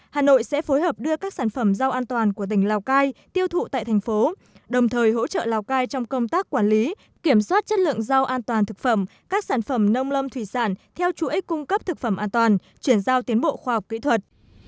hà nội sẽ phối hợp đưa các sản phẩm rau an toàn của tỉnh lào cai tiêu thụ tại thành phố đồng thời hỗ trợ lào cai trong công tác quản lý kiểm soát chất lượng rau an toàn thực phẩm các sản phẩm nông lâm thủy sản theo chuỗi cung cấp thực phẩm an toàn chuyển giao tiến bộ khoa học kỹ thuật